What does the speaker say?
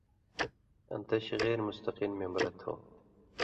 آں دش غیر مُستقل مېمبرہ تھو۔